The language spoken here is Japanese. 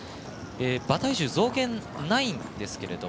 馬体重、増減ないんですけれど